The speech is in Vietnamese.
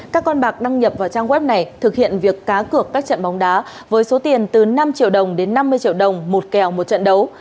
các con bạc đăng nhập vào trang web này thực hiện việc cá cược các trận bóng đá với số tiền từ năm triệu đồng đến năm mươi triệu đồng một kèo một trận đấu